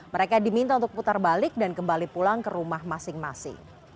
mereka diminta untuk putar balik dan kembali pulang ke rumah masing masing